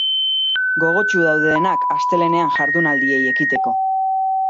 Gogotsu daude denak astelehenean jardunaldiei ekiteko.